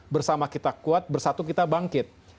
bersama kita kuat bersatu kita bangkit